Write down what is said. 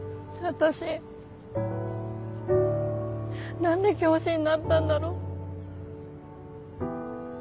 私何で教師になったんだろう。